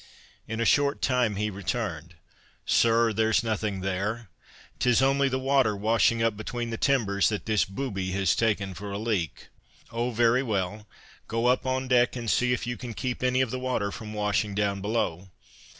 In a short time he returned: "Sir, there 's nothing there, 'tis only the water washing up between the timbers that this booby has taken for a leak." "O, very well; go upon deck and see if you can keep any of the water from washing down below."